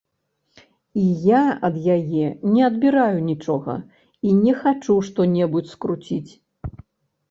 І я ад яе не адбіраю нічога і не хачу што-небудзь скруціць.